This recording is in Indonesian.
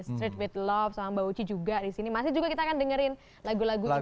street with love sama mbak uci juga disini masih juga kita akan dengerin lagu lagunya